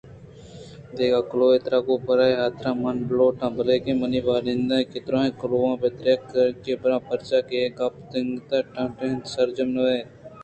دگہ کلوہے ترا گوں پرے حاترامن لوٹاں بلکیں منی واہگ اِنت کہ دُرٛاہیں کلوہاں پہ یکپارگی بہ براں پرچاکہ اے گپ تنیگتءَ نہ ٹہیتگءُ سرجم نہ انت